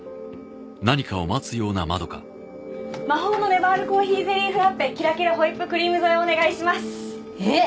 魔法のねばーるコーヒーゼリーフラッペキラキラホイップクリーム添えお願いしますえっ？